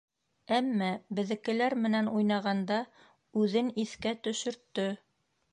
Әммә беҙҙекеләр менән уйнағанда үҙен иҫкә төшөрттө!